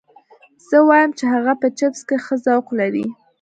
زه وایم چې هغه په چپس کې ښه ذوق لري